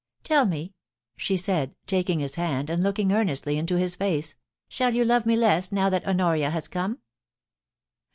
Tell me,' she said, taking his hand, and looking earnestly into his face, * shall you love me less now that Honoria has come